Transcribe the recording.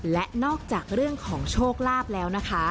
และนอกจากเรื่องของโชคลาภแล้วนะคะ